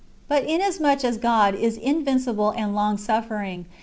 But inasmuch as God is invincible and long suffering.